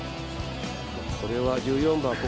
これは１４番